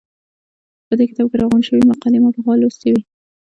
په دې کتاب کې راغونډې شوې مقالې ما پخوا لوستې وې.